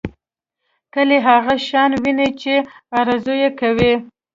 کلی هغه شان ويني چې ارزو یې کوي.